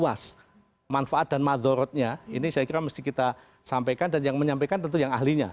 nah ini saya kira yang lebih luas manfaat dan mazorotnya ini saya kira kita mesti kita sampaikan dan yang menyampaikan tentu yang ahlinya